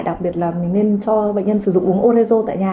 đặc biệt là mình nên cho bệnh nhân sử dụng uống ôn hê rô tại nhà